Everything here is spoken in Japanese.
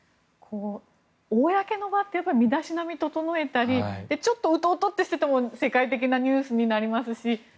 公の場って身だしなみを整えたりちょっとウトウトとしていても世界的なニュースになりますし。